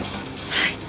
はい。